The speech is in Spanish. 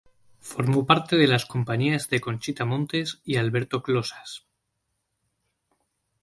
Formó parte de las compañías de Conchita Montes y de Alberto Closas.